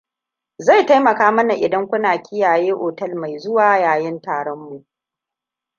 Zai taimaka mana idan kuna kiyaye otal mai zuwa yayin taron mu.